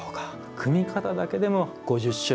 組み方だけでも５０種類。